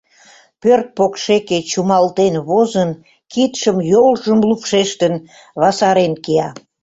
Пӧрт покшеке чумалтен возын, кидшым, йолжым лупшештын васарен кия.